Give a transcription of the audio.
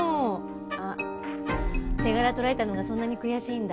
あっ手柄取られたのがそんなに悔しいんだ。